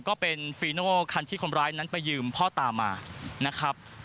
ก็เป็นฟรีโนคันที่คนร้ายนั้นไปยืมพ่อตามมา